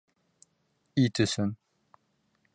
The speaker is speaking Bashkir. Ит өсөн!..